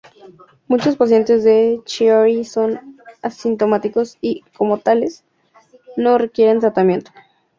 Muchos pacientes de Chiari son asintomáticos y, como tales, no requieren tratamiento.